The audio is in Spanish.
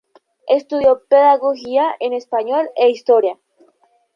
Estudió pedagogía en Español e Historia.